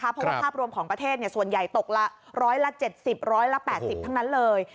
เพราะว่าภาพรวมของประเทศเนี่ยส่วนใหญ่ตกละร้อยละเจ็ดสิบร้อยละแปดสิบทั้งนั้นเลย